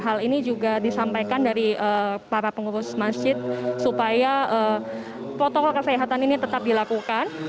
hal ini juga disampaikan dari para pengurus masjid supaya protokol kesehatan ini tetap dilakukan